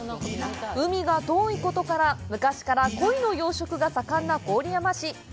海が遠いことから、昔から鯉の養殖が盛んな郡山市。